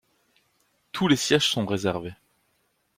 Tous les sièges sont réservés.